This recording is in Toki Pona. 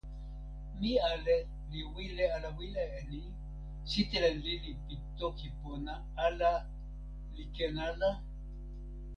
mi ale li wile ala wile e ni: sitelen lili pi toki pona ala li ken ala?